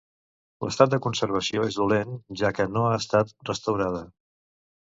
L'estat de conservació és dolent, ja que no ha estat restaurada.